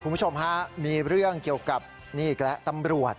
คุณผู้ชมฮะมีเรื่องเกี่ยวกับนี่อีกแล้วตำรวจ